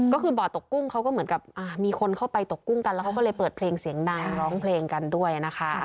ก็คือบ่อตกกุ้งเขาก็เหมือนกับมีคนเข้าไปตกกุ้งกันแล้วเขาก็เลยเปิดเพลงเสียงดังร้องเพลงกันด้วยนะคะ